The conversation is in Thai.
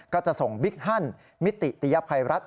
ก็จะส่งบิ๊กฮันมิติติยภัยรัฐ